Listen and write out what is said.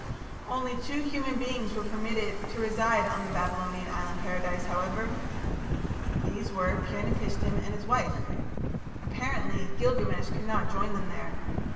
Only two human beings were permitted to reside on the Babylonian island paradise, however. These were Pir napishtim and his wife. Apparently Gilgamesh could not join them there.